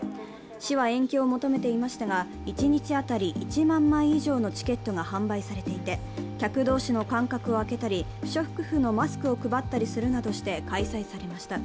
市は延期を求めていましたが、一日当たり１万枚以上のチケットが販売されていて、客同士の間隔を空けたり、不織布のマスクを配ったりするなどして開催されました。